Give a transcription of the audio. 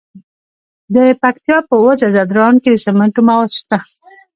د پکتیا په وزه ځدراڼ کې د سمنټو مواد شته.